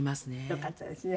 よかったですね。